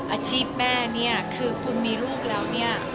อาชีพแม่เนี่ยคือคุณมีลูกแล้วเนี่ย